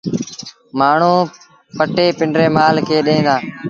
مآڻهوٚݩ پٽي پنڊري مآل کي ڏيݩ دآ۔